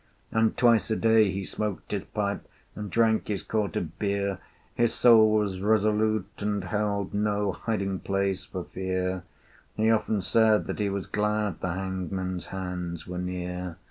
And twice a day he smoked his pipe, And drank his quart of beer: His soul was resolute, and held No hiding place for fear; He often said that he was glad The hangman's hands were near.